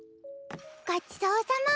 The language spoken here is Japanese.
ごちそうさま。